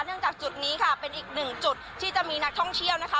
จากจุดนี้ค่ะเป็นอีกหนึ่งจุดที่จะมีนักท่องเที่ยวนะคะ